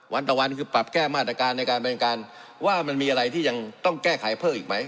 วันต่อวันคือปรับแก้มาตรการในการบริการว่ามันมีอะไรที่ยังต้องแก้ไขเพิ่มอีกไหม